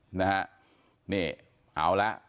เห็นเนี่ยเอา่ะ